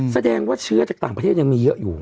แสดงว่าเชื้อจากต่างประเทศยังมีเยอะอยู่